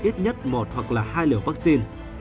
ít nhất một hoặc hai liều vaccine